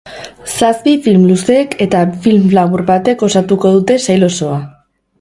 Zazpi film luzek eta film labur batek osatuko dute sail osoa.